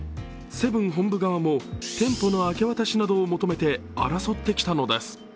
セブン本部側も店舗の明け渡しなどを求めて争ってきたのです。